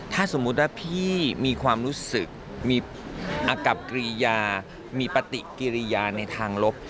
ถ้าสมมุติว่าพี่มีความรู้สึกมีอากับกรียามีปฏิกิริยาในทางลบ